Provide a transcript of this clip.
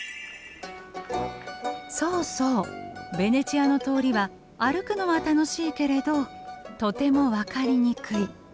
そうそうベネチアの通りは歩くのは楽しいけれどとても分かりにくい。